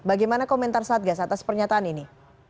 bagaimana komentar satgas atas pernyataan ini